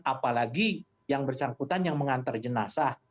apalagi yang bersangkutan yang mengantar jenazah